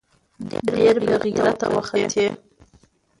ډېر بې غېرته وختې.